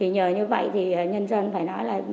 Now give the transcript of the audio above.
nhờ như vậy thì nhân dân phải nói là